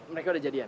mereka udah jadian